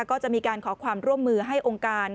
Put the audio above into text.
ก็จะมีการขอความร่วมมือให้องค์การ